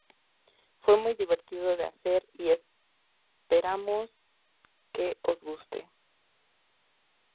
Fue muy divertido de hacer y esperamos que os guste.